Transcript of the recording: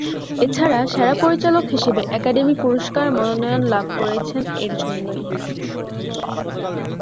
এছাড়া সেরা পরিচালক হিসেবে একাডেমি পুরস্কার মনোনয়ন লাভ করেছেন এর জন্যই।